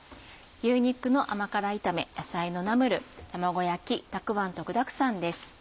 牛肉の甘辛炒め野菜のナムル卵焼きたくあんと具だくさんです。